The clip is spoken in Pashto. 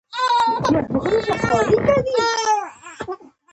توپک د شعور خنډ دی.